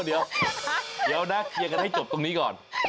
เดี๋ยวนะยังก็ให้จบตรงนี้ก่อน